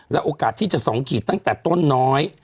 โอกาสที่จะ๒ขีดตั้งแต่ต้นน้อย